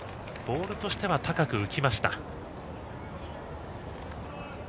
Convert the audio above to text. ボールとしては高く浮きました。